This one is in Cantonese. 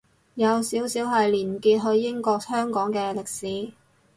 有少少係連結去英國香港嘅歷史